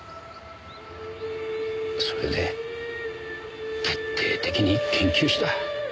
それで徹底的に研究した。